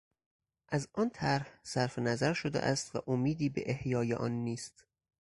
از آن طرح صرفنظر شده است و امیدی به احیای آن نیست.